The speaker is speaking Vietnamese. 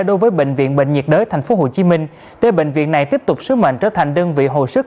đối với bệnh viện bệnh nhiệt đới tp hcm để bệnh viện này tiếp tục sứ mệnh trở thành đơn vị hồi sức